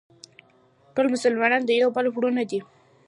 ټول مسلمانان د یو بل وروڼه دي.